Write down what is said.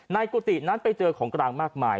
กุฏินั้นไปเจอของกลางมากมาย